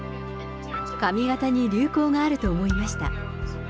髪形に流行があると思いました。